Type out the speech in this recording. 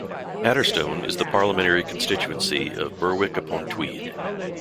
Adderstone is in the parliamentary constituency of Berwick-upon-Tweed.